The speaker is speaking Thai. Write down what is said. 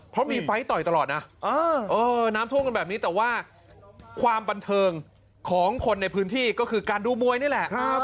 เพราะมีไฟล์ต่อยตลอดนะน้ำท่วมกันแบบนี้แต่ว่าความบันเทิงของคนในพื้นที่ก็คือการดูมวยนี่แหละ